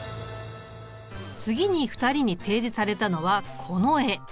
次に２人に提示されたのはこの絵。